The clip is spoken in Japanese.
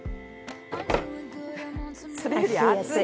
それより熱い。